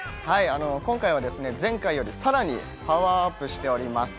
今回は前回よりさらにパワーアップしております。